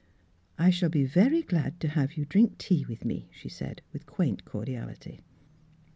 " I shall be very glad to have you drink tea with me," she said with quaint cor diality.